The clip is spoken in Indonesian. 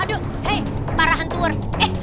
aduh hei para hantuers